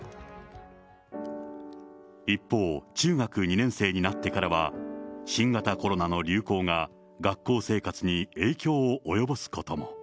一方、中学２年生になってからは、新型コロナの流行が学校生活に影響を及ぼすことも。